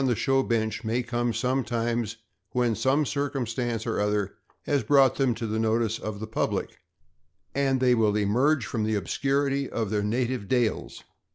the show bench may come sometime when some circum stance or other has brought them to the notice of the public, and they will emerge from the obscurity of their native dales.